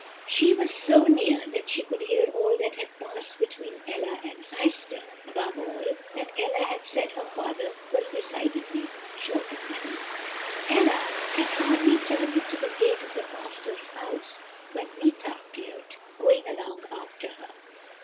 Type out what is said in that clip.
She was so near that she could hear all that had passed between Ella and Heister; above all, that Ella had said her father was decidedly short of money. "Ella had hardly turned into the gate of the pastor's house when Meeta appeared, going along after her.